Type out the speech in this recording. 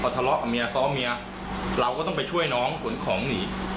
ทะเลาะกับเมียซ้อมเมียเราก็ต้องไปช่วยน้องขนของหนี